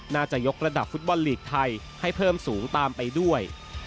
น่าจะยกระดับฟุตบอลลีกไทยให้เพิ่มสูงตามไปด้วย